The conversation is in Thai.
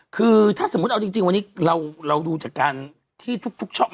คือถ้าสมมุติเอาจริงวันนี้เราดูจากการที่ทุกช่อง